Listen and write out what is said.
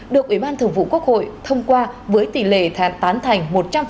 được ủy ban thường vụ quốc hội thông qua với tỷ lệ thả tán thành một trăm linh